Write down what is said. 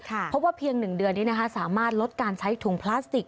เพราะว่าเพียง๑เดือนนี้สามารถลดการใช้ถุงพลาสติก